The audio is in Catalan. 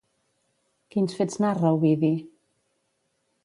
Quins fets narra Ovidi?